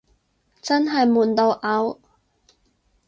真係悶到嘔